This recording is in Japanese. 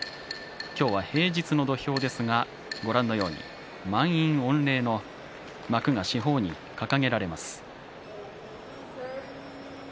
今日は平日の土俵ですがご覧のように満員御礼の幕が四方に掲げられます。